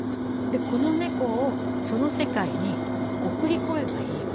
でこの猫をその世界に送り込めばいいわけです。